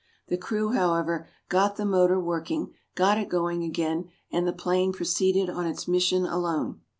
The crew, however, got the motor working, got it going again and the plane proceeded on its mission alone.